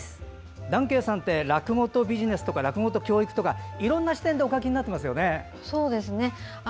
談慶さんって落語とビジネスとか落語と教育とか、いろんな視点でお書きになっていますよね。